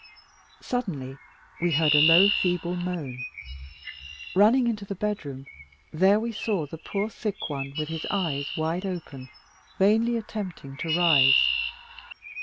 Suddenly we heard a low feeble moan. Running into the bedroom, there we saw the poor sick one with his eyes wide open, vainly attempting to rise.